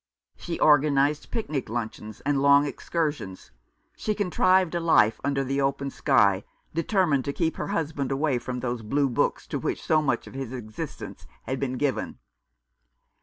She organized picnic luncheons and long excursions ; she contrived a life under the open sky, determined to keep her husband away from those blue books to which so much of his existence had been given.